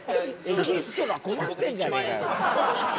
「エキストラ困ってんじゃねえかよ」